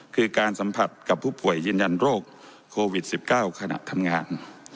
คือการสัมผัสกับผู้ป่วยยืนยันโรคโควิด๑๙ขณะทำงาน